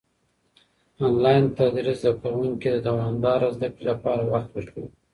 انلاين تدريس زده کوونکي د دوامداره زده کړې لپاره وخت ورکوي.